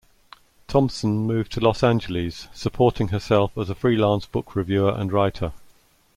Thompson moved to Los Angeles, supporting herself as a freelance book reviewer and writer.